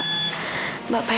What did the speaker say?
bapak yang mencelakai saya